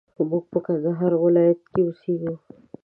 موږ په کندهار ولايت کښي اوسېږو